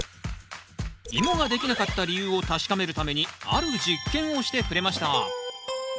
イモができなかった理由を確かめるためにある実験をしてくれました。